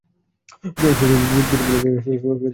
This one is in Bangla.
দুটি মূল পায়ের পাশে শরীর থেকে দুই পাশে আরও দুটি পা আছে।